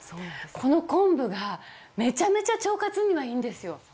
この昆布がめちゃめちゃ腸活にはいいんですよ。